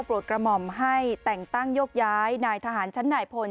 กระหม่อมให้แต่งตั้งโยกย้ายนายทหารชั้นนายพล